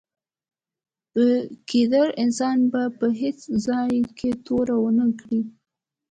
په ګیدړ انسان به په هېڅ ځای کې توره و نه کړې.